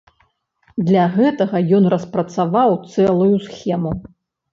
Для гэтага ён распрацаваў цэлую схему.